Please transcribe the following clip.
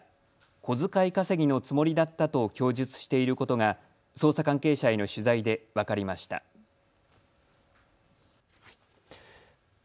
小遣い稼ぎのつもりだったと供述していることが捜査関係者への取材で分かりました。